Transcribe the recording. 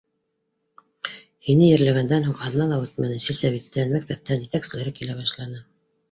Һине ерләгәндән һуң аҙна ла үтмәне, силсәвиттән, мәктәптән етәкселәр килә башланы.